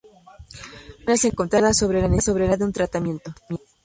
Hay opiniones encontradas sobre la necesidad de un tratamiento.